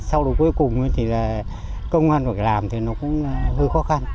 sau đó cuối cùng thì công an phải làm thì nó cũng hơi khó khăn